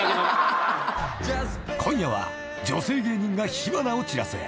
［今夜は女性芸人が火花を散らす！］